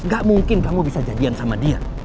gak mungkin kamu bisa jadian sama dia